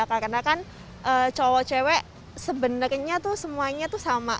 karena kan cowok cewek sebenarnya tuh semuanya tuh sama